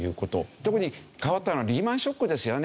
特に変わったのはリーマン・ショックですよね。